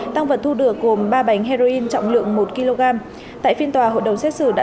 tăng vật thu được gồm ba bánh heroin trọng lượng một kg tại phiên tòa hội đồng xét xử đã